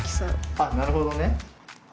あっなるほどね。